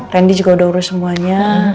randy juga udah urus semuanya